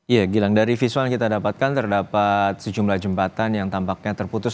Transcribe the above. ya gilang dari visual yang kita dapatkan terdapat sejumlah jembatan yang tampaknya terputus